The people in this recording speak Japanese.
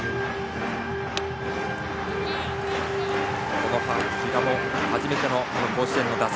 この比嘉も初めての甲子園の打席。